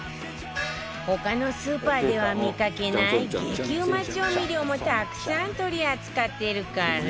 他のスーパーでは見かけない激うま調味料もたくさん取り扱ってるから